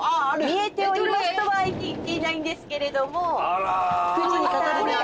「見えております」とは言えないんですけれども富士山が。